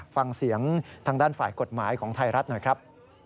ฟังเสียงทางด้านฝ่ายกฎหมายของไทยรัฐหน่อยครับ